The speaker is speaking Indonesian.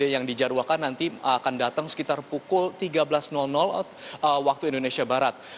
yang dijaruahkan nanti akan datang sekitar pukul tiga belas waktu indonesia barat